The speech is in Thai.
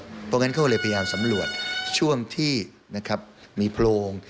เพราะฉะนั้นเขาก็เลยพยายามสำรวจช่วงที่มีโพรง